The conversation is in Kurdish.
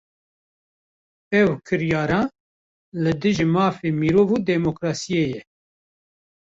Ev kiryara, li dijî mafê mirov û demokrasiyê ye